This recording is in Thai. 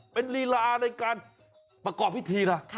เป็นลีลาในการประกอบพิธีนะ